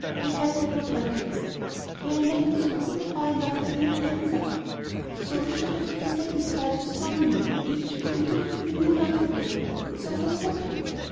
We had had no breakfast. My eleven sous could not buy enough for dinner and supper, so we should have to be satisfied with one meal, which, if we took it in the middle of the day, would serve us for two.